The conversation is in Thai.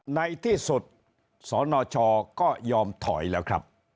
ในที่สุดสนชก็ยอมถอยแล้วครับ